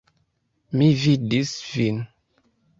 Mi vidis vin.